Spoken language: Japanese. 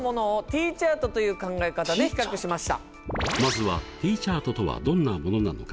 まずはＴチャートとはどんなものなのか